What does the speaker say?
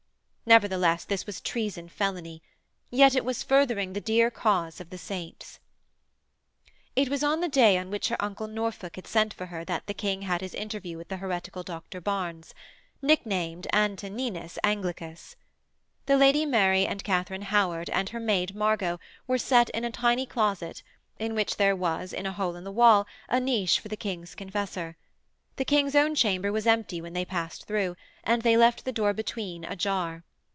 Nevertheless, this was treason felony; yet it was furthering the dear cause of the saints. It was on the day on which her uncle Norfolk had sent for her that the King had his interview with the heretical Dr Barnes nicknamed Antoninus Anglicanus. The Lady Mary and Katharine Howard and her maid, Margot, were set in a tiny closet in which there was, in a hole in the wall, a niche for the King's confessor. The King's own chamber was empty when they passed through, and they left the door between ajar.